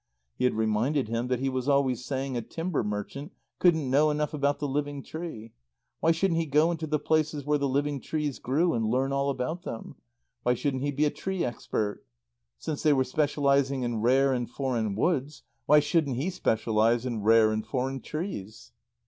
He had reminded him that he was always saying a timber merchant couldn't know enough about the living tree. Why shouldn't he go into the places where the living trees grew and learn all about them? Why shouldn't he be a tree expert? Since they were specializing in rare and foreign woods, why shouldn't he specialize in rare and foreign trees?